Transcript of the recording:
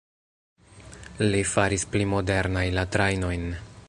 Li faris pli modernaj la trajnojn.